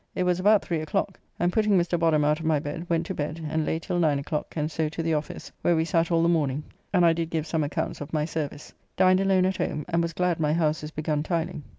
It was about three o'clock, and putting Mr. Boddam out of my bed, went to bed, and lay till nine o'clock, and so to the office, where we sat all the morning, and I did give some accounts of my service. Dined alone at home, and was glad my house is begun tiling.